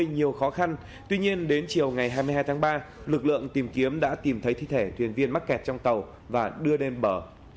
nhiều khó khăn tuy nhiên đến chiều ngày hai mươi hai tháng ba lực lượng tìm kiếm đã tìm thấy thi thể thuyền viên mắc kẹt trong tàu và đưa lên bờ